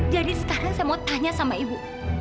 jadi sekarang saya mau tanya sama ibu